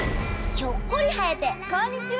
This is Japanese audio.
ひょっこり生えてこんにちは。